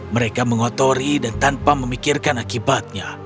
mereka mengotori dan tanpa memikirkan akibatnya